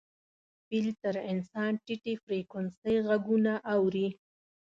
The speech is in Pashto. فیل تر انسان ټیټې فریکونسۍ غږونه اوري.